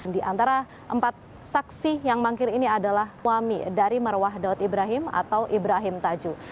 di antara empat saksi yang mangkir ini adalah suami dari marwah daud ibrahim atau ibrahim tajuh